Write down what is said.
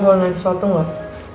el boleh nanya sesuatu gak